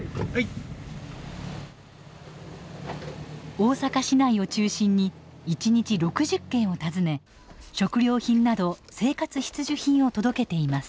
大阪市内を中心に１日６０軒を訪ね食料品など生活必需品を届けています。